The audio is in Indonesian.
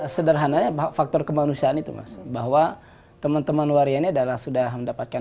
sederhananya faktor kemanusiaan itu mas bahwa teman teman waria ini adalah sudah mendapatkan